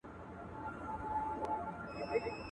راپوه مو دژوندون په سلیقه یې الطیفه